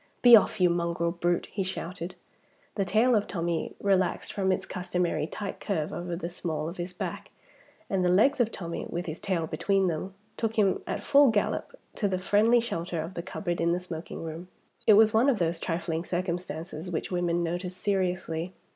"Be off, you mongrel brute!" he shouted. The tail of Tommie relaxed from its customary tight curve over the small of his back; and the legs of Tommie (with his tail between them) took him at full gallop to the friendly shelter of the cupboard in the smoking room. It was one of those trifling circumstances which women notice seriously.